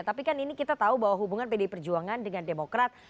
tapi kan ini kita tahu bahwa hubungan pdi perjuangan dengan demokrat